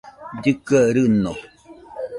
llɨkɨaɨ rɨño